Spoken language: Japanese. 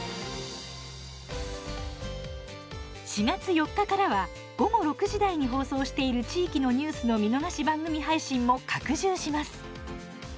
４月４日からは午後６時台に放送している地域のニュースの見逃し番組配信も拡充します。